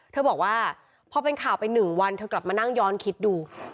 เธอบอกว่าพอเป็นข่าวไป๑วันเธอกลับมานั่งย้อนคิดดู